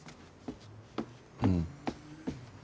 うん。